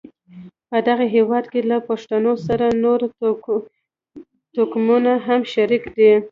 په دغه هېواد کې له پښتنو سره نور توکمونه هم شریک دي.